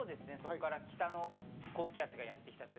北からの高気圧がやってきた。